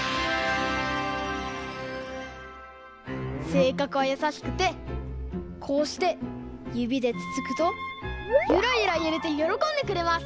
せいかくはやさしくてこうしてゆびでつつくとゆらゆらゆれてよろこんでくれます。